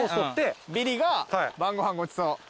ビリが晩ご飯ごちそう。